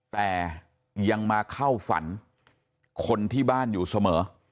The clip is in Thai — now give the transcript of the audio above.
แต่ยังมาเข้าฝันคนที่บ้านอยู่เสมอ